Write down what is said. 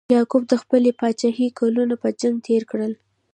یعقوب د خپلې پاچاهۍ کلونه په جنګ تیر کړل.